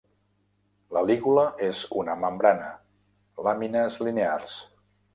La lígula és una membrana; làmines linears.